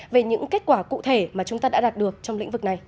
về những kết quả cụ thể mà chúng ta đã đạt được trong lĩnh vực này